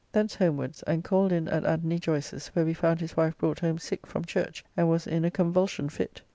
Thence homewards, and called in at Antony Joyce's, where we found his wife brought home sick from church, and was in a convulsion fit.